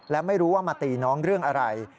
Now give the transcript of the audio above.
และไม่รู้ว่ามาตีน้องเรื่องอะไร